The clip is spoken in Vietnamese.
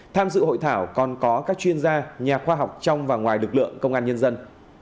tham dự hội thảo còn có các chuyên gia nhà khoa học trong và ngoài lực lượng công an nhân dân